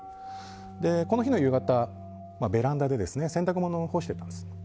この日の夕方、ベランダで洗濯物を干していたんです。